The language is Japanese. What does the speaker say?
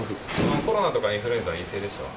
コロナとかインフルエンザは陰性でしたわ。